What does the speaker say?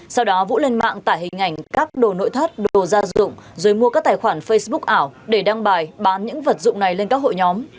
sau đó vũ lên mạng tải hình ảnh các đồ nội thất đồ gia dụng rồi mua các tài khoản facebook ảo để đăng bài bán những vật dụng này lên các hội nhóm